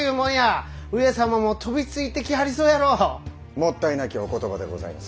もったいなきお言葉でございます。